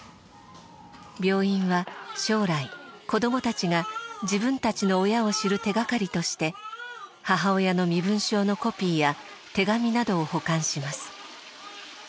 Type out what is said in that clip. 病院は将来子どもたちが自分たちの親を知る手掛かりとして母親の身分証のコピーや手紙などを保管します。